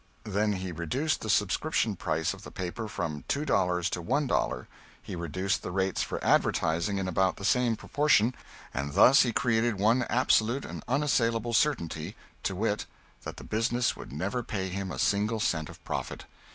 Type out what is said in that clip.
Then he reduced the subscription price of the paper from two dollars to one dollar. He reduced the rates for advertising in about the same proportion, and thus he created one absolute and unassailable certainty to wit: that the business would never pay him a single cent of profit.